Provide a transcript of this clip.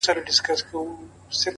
ښه فکر ښه عمل زېږوي،